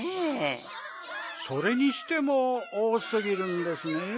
それにしてもおおすぎるんですねぇ。